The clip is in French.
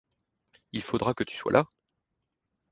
Il faudra que tu sois là!